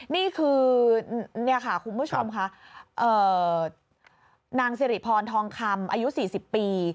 นี่คือนี่ค่ะคุณผู้ชมค่ะนางสิริพรทองคำอายุ๔๐ปี